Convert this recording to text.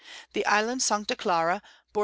The Island Sancta Clara bore N.